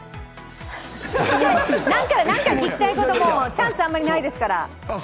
なんか、何か聞きたいこと、チャンスあまりないですから！